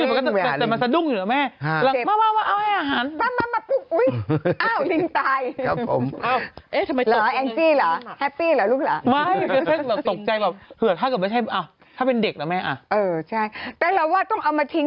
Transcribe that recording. น้องลิงเขาไม่รู้เค้าโดนเอง